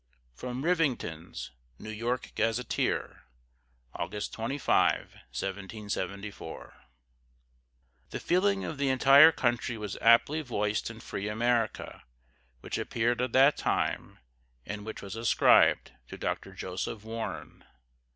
From Rivington's New York Gazetteer, August 25, 1774. The feeling of the entire country was aptly voiced in "Free America," which appeared at that time, and which was ascribed to Dr. Joseph Warren.